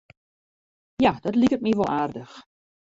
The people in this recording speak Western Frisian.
Ja, dat liket my wol aardich.